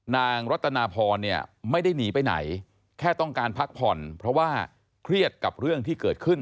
นางรัตนาพรเนี่ยไม่ได้หนีไปไหนแค่ต้องการพักผ่อนเพราะว่าเครียดกับเรื่องที่เกิดขึ้น